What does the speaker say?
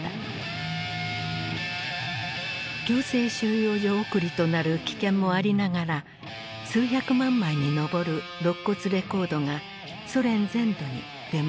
強制収容所送りとなる危険もありながら数百万枚に上るろっ骨レコードがソ連全土に出回った。